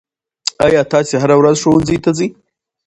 آیا تاسې هره ورځ ښوونځي ته ځئ؟